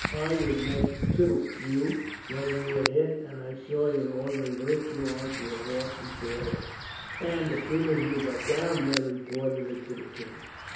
I was next you when you were hit, and I saw your orderly lift you on to your horse before him and, as soon as we got down here, reported it to the king."